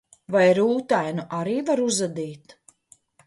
Vai rūtainu arī var uzadīt?